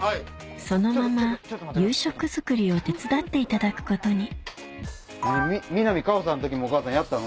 そのまま夕食作りを手伝っていただくことに南果歩さんの時もやったの？